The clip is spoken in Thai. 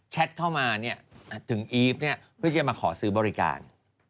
แชทมาถึงอีฟแบบนี้เพื่อจะมาขอซื้อบริการ